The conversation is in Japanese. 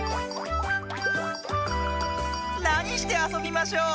なにしてあそびましょう？